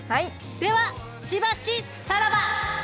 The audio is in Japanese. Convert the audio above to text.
ではしばしさらば。